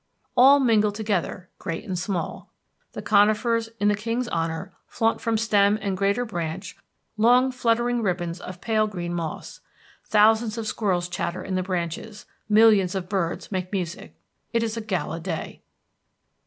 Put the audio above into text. All mingle together, great and small. The conifers, in the king's honor, flaunt from stem and greater branch long fluttering ribbons of pale green moss. Thousands of squirrels chatter in the branches. Millions of birds make music. It is a gala day.